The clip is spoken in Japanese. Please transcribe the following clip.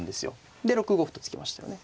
で６五歩と突きましたよね。